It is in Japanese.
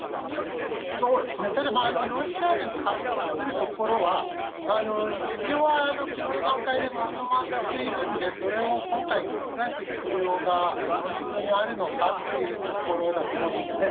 そうですね、ただロシアに関するところは、一応はきのうの段階でまとまっているんで、それを今回、覆す必要が本当にあるのかというところだと思うんですよね。